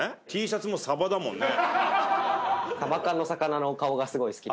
Ｔシャツもサバだもんね